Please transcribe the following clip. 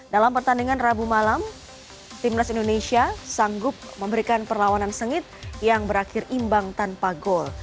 dalam pertandingan rabu malam timnas indonesia sanggup memberikan perlawanan sengit yang berakhir imbang tanpa gol